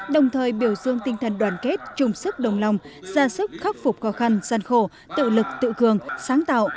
đồng thời biểu dương tinh thần đoàn kết chung sức đồng lòng ra sức khắc phục khó khăn gian khổ tự lực tự cường sáng tạo